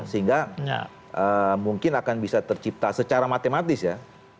sehingga mungkin akan bisa tercipta secara matematis ya